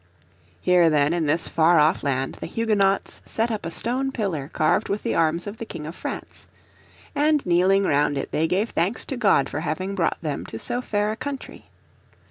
Here then in this far off land the Huguenots set up a stone pillar carved with the arms of the King of France. And kneeling round it they gave thanks to God for having brought them to so fair a country.